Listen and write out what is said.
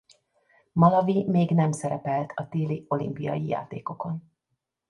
Malawi még nem szerepelt a téli olimpiai játékokon.